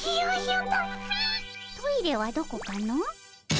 トイレはどこかの？